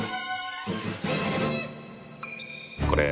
これ。